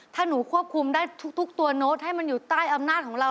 ถ้าหนูควบคุมได้ทุกตัวโน้ตให้มันอยู่ใต้อำนาจของเรา